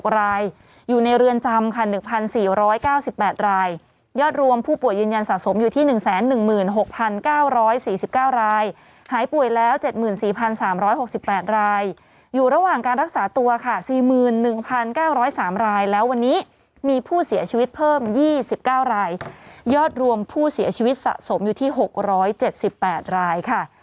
รายอยู่ในเรือนจำค่ะ๑๔๙๘รายยอดรวมผู้ป่วยยืนยันสะสมอยู่ที่๑๑๖๙๔๙รายหายป่วยแล้ว๗๔๓๖๘รายอยู่ระหว่างการรักษาตัวค่ะ๔๑๙๐๓รายแล้ววันนี้มีผู้เสียชีวิตเพิ่ม๒๙รายยอดรวมผู้เสียชีวิตสะสมอยู่ที่๖๗๘รายค่ะ